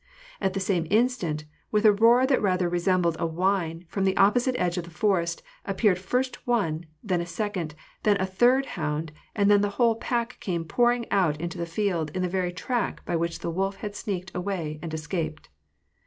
At the same instant, with a roar that rather resembled a whine, from the opposite edge of the forest, appeared first one, then a second, then a third, hound, and then the whole pack came pouring out into the field, in the very track by which the wolf had sneaked away and escaped.